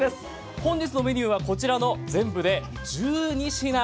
本日のメニューはこちらの全部で１２品。